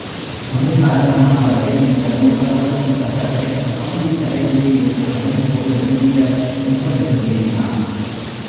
அது காரணமாகவே இந்த மூன்றாவது புத்தகத்தைக் காவிரிக் கரையிலே என்ற தலைப்போடு வெளியிட முற்படுகிறேன் நான்.